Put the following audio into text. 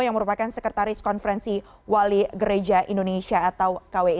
yang merupakan sekretaris konferensi wali gereja indonesia atau kwi